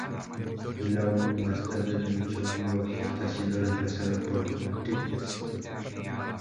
Lowe más tarde renunció como bajista, siendo reemplazado por Matthew Stiff.